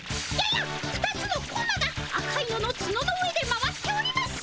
やっ２つのコマが赤いののツノの上で回っております。